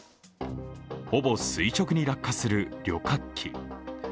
ほぼ垂直に落下する旅客機。